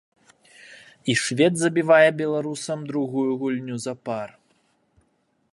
І швед забівае беларусам другую гульню запар.